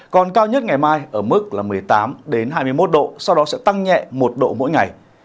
còn cao nhất ngày mai ở mức một mươi tám hai mươi một độ sau đó sẽ tăng nhẹ một độ mỗi ngày